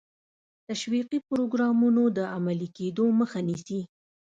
تشویقي پروګرامونو د عملي کېدو مخه نیسي.